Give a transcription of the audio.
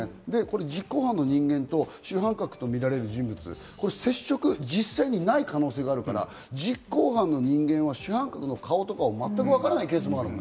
実行犯の人間と主犯格とみられる人物、接触が実際にない可能性があるから、実行犯の人間は主犯格の顔とか全くわからないケースもあるのね。